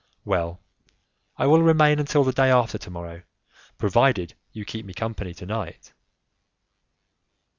"Well, I will remain until the day after to morrow, provided you keep me company tonight."